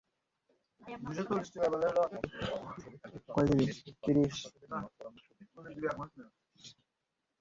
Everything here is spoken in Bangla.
অবস্থার অবনতি হলে তাকে চট্টগ্রাম মেডিকেল কলেজ হাসপাতালে নেওয়ার পরামর্শ দেন চিকিৎসকেরা।